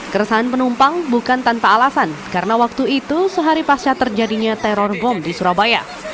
keresahan penumpang bukan tanpa alasan karena waktu itu sehari pasca terjadinya teror bom di surabaya